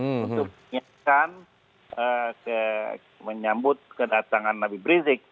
untuk menyambut kedatangan nabi berisik